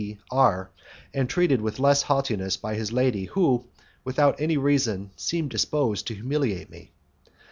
D R , and treated with less haughtiness by his lady who, without any reason, seemed disposed to humiliate me.